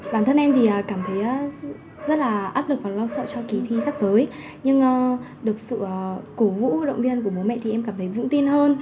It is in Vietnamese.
bản thân em thì cảm thấy rất là áp lực và lo sợ cho kỳ thi sắp tới nhưng được sự cổ vũ động viên của bố mẹ thì em cảm thấy vững tin hơn